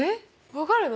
分かるの？